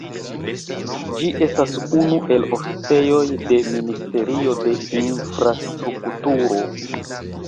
Ĝi estas unu el oficejoj de ministerio de infrastrukturo.